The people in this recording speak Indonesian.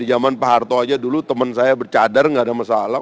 di jaman paharta aja dulu temen saya bercadar gak ada masalah